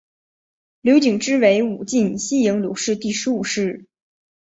刘谨之为武进西营刘氏第十五世。